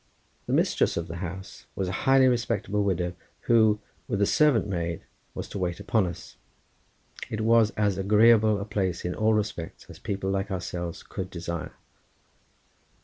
The mistress of the house was a highly respectable widow, who with a servant maid was to wait upon us. It was as agreeable a place in all respects as people like ourselves could desire.